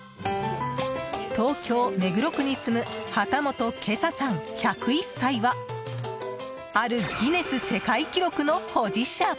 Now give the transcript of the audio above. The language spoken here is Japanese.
東京・目黒区に住む幡本圭左さん１０１歳はあるギネス世界記録の保持者！